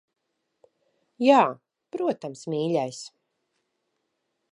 Jā, protams, mīļais.